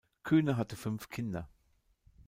Kühne hatte fünf Kinder.